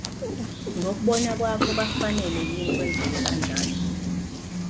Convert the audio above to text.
Ngokubona kwakho kwakufanele yini kwenzeke kanjalo?